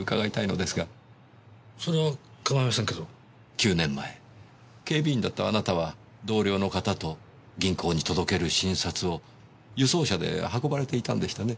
９年前警備員だったあなたは同僚の方と銀行に届ける新札を輸送車で運ばれていたんでしたね？